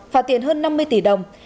phà tiền hơn năm mươi tỷ đồng